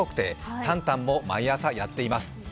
タンタンも毎朝やっています。